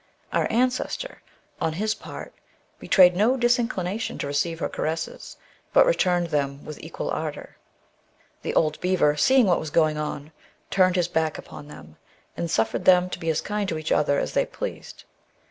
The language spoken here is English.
Our ancestor, on his part, betrayed no disinclination to receive her caresses, but returned them with equal ardour. The old beaver seeing what was going on, turned his back upon them, and suffered them to be as kind to each other as they pleased.